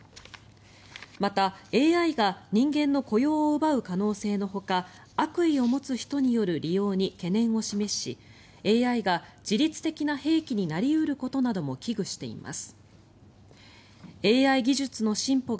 また、ＡＩが人間の雇用を奪う可能性のほか悪意を持つ人による利用に懸念を示しＡＩが自律的な兵器になり得ることなども危惧しています。